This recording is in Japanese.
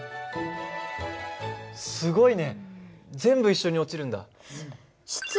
すごいね全部一緒に落ちるんだ。